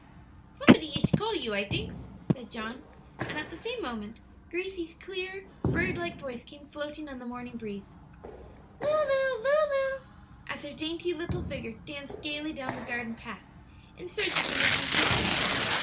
"Somebody ish call you, I dinks," said John, and at the same moment Grace's clear, bird like voice came floating on the morning breeze, "Lulu, Lulu!" as her dainty little figure danced gayly down the garden path in search of her missing sister.